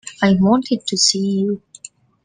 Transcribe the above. I wanted to see you.